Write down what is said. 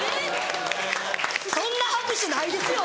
そんな拍手ないですよ！